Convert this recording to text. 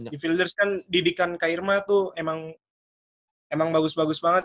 di filders kan didikan kak irma tuh emang bagus bagus banget